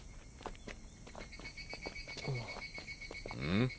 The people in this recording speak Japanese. ん？